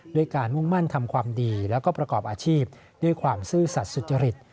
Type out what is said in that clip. ด้วยการมุ่งมั่นทำความดีแล้วก็ประกอบอาชีพด้วยความซื่อสัตว์สุจริต